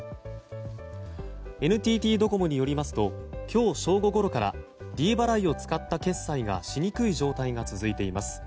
ＮＴＴドコモによりますと今日正午ごろからｄ払いを使った決済がしにくい状態が続いています。